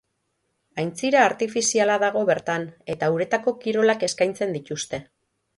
Aintzira artifiziala dago bertan, eta uretako kirolak eskaintzen dituzte.